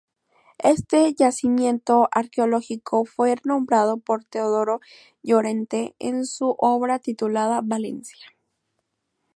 Este yacimiento arqueológico fue nombrado por Teodoro Llorente en su obra titulada “Valencia.